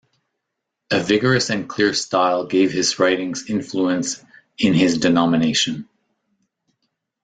A vigorous and clear style gave his writings influence in his denomination.